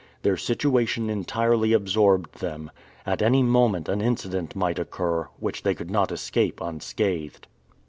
Their situation entirely absorbed them. At any moment an incident might occur, which they could not escape unscathed.